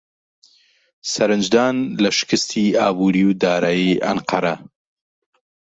سەرنجدان لە شکستی ئابووری و دارایی ئەنقەرە